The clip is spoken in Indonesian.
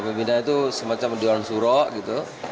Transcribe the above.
pembina itu semacam dewan surok gitu